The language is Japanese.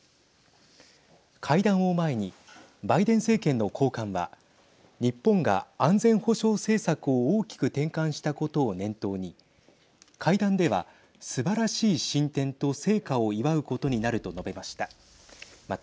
会談を前にバイデン政権の高官は日本が安全保障政策を大きく転換したことを念頭に会談では、すばらしい進展と成果を祝うことになると述べました。